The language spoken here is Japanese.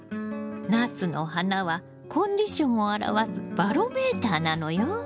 ナスの花はコンディションを表すバロメーターなのよ。